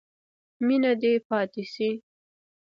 مینه دې پاتې شي.